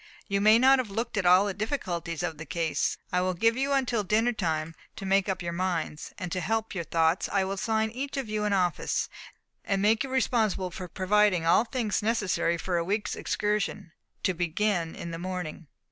"You may not have looked at all the difficulties of the case. I will give you until dinner time to make up your minds; and to help your thoughts, I will assign to each of you an office, and make you responsible for providing all things necessary for a week's excursion, to begin in the morning.